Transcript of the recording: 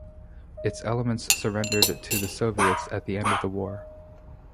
Its elements surrendered to the Soviets at the end of the war.